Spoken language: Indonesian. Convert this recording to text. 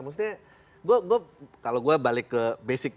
maksudnya gue gue kalau gue balik ke basic things aja gitu